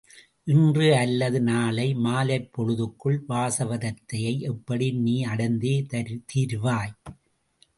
இன்று அல்லது நாளை மாலைப் பொழுதுக்குள், வாசவதத்தையை எப்படியும் நீ அடைந்தே திருவாய்.